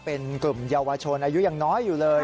เป็นกลุ่มเยาวชนอายุยังน้อยอยู่เลย